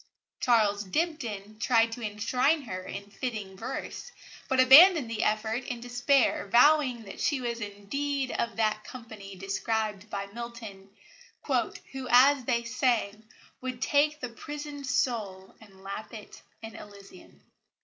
Charles Dibdin tried to enshrine her in fitting verse, but abandoned the effort in despair, vowing that she was indeed of that company described by Milton: "Who, as they sang, would take the prisoned soul And lap it in Elysium."